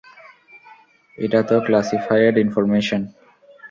এটা তো classified information!